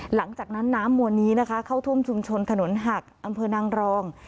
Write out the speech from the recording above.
หลังจากนั้นน้ำมวลนี้นะคะเข้าท่วมชุมชนถนนหักอำเภอนางรอง